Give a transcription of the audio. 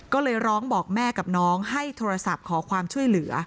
ก็เลยร้องบอกแม่กับน้องให้โทรศัพท์ขอความช่วยเหลือ